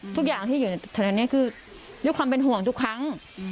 ทุกข์อย่างที่อยู่ในชนิดฐานุงนี้จะยุ่งความเป็นห่วงทุกครั้ง